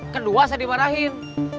kedua saya dimarahin